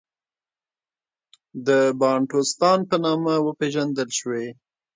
د بانټوستان په نامه وپېژندل شوې.